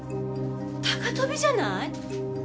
高飛びじゃない？